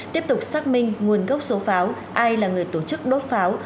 tiếp tục xác minh nguồn gốc số pháo ai là người tổ chức đốt pháo